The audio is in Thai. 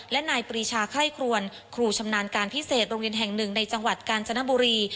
และนายปรีชาไข้ครวนครูชำนาญการพิเศษโรงเรียนแห่งหนึ่งในจังหวัดกาญจนบุรี